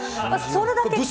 それだけ。